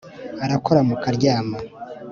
arakora mukaryama,